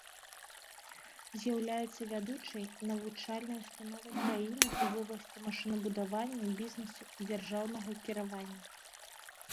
З'яўляецца вядучай навучальнай установай краіны ў вобласці машынабудавання, бізнесу і дзяржаўнага кіравання.